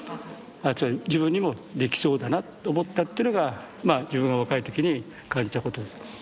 つまり自分にもできそうだなと思ったってのがまあ自分も若い時に感じたことです。